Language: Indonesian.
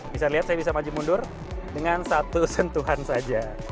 bisa lihat saya bisa maju mundur dengan satu sentuhan saja